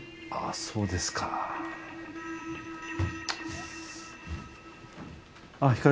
あぁそうですかぁ。